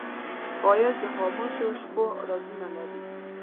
ښایست د خاموشو شپو رازونه لري